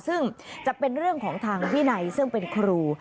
ซึ่งจะเป็นเรื่องของทางวินัยซึ่งเป็นครู